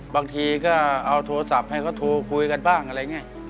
บางทีก็เอาโทรศัพท์ให้เขาโทรคุยกันบ้างอะไรอย่างนี้